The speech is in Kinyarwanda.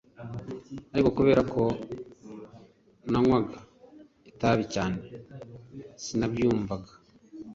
Ariko kubera ko nanywaga itabi cyane sinabyumvaga